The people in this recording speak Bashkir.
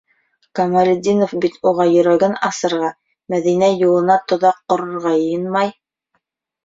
Камалетдинов бит уға йөрәген асырға, Мәҙинә юлына тоҙаҡ ҡорорға йыйынмай.